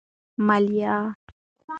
مالیه